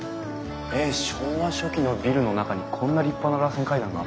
昭和初期のビルの中にこんな立派な螺旋階段が！